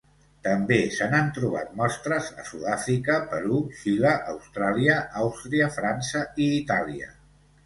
També se n'han trobat mostres a Sud-àfrica, Perú, Xile, Austràlia, Àustria, França i Itàlia.